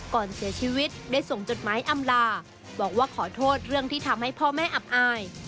ก่อนเสียชีวิตได้ส่งจดหมายอำลาบอกว่าขอโทษเรื่องที่ทำให้พ่อแม่อับอาย